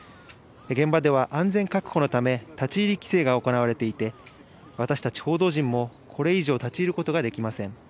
現場では安全確保のため、立ち入り規制が行われていて、私たち報道陣もこれ以上、立ち入ることができません。